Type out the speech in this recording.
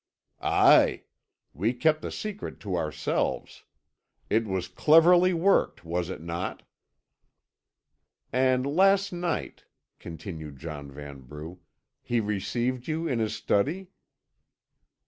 "Aye. We kept the secret to ourselves. It was cleverly worked, was it not?" "And last night," continued John Vanbrugh, "he received you in his study?"